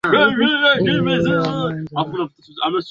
kuwa ni lugha ya kitumwa na kiislamu